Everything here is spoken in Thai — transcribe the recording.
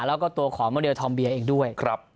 แล้วก็ตัวของโมเดลทอมเบียเองด้วย